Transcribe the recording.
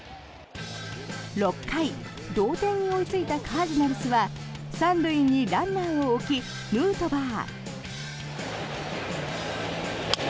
６回、同点に追いついたカージナルスは３塁にランナーを置きヌートバー。